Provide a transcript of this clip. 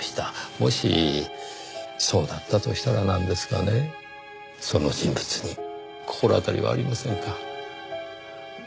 もしそうだったとしたらなんですがねその人物に心当たりはありませんか？